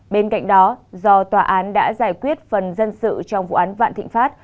bên cạnh đó do tòa án đã giải quyết phần dân sự trong vụ án vạn thịnh pháp